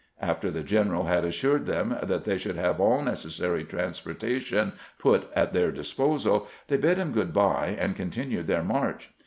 After the general had assured them that they should have all necessary transportation put at their disposal, they bid him good by, and con tinued their march.